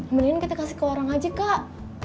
kemudian kita kasih ke orang aja kak